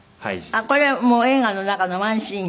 これ映画の中のワンシーン？